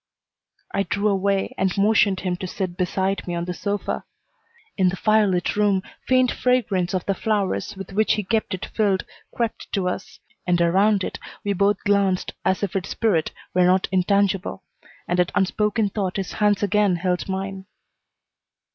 I drew away and motioned him to sit beside me on the sofa. In the firelit room faint fragrance of the flowers with which he kept it filled crept to us, and around it we both glanced as if its spirit were not intangible; and at unspoken thought his hands again held mine.